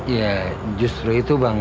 ya justru itu bang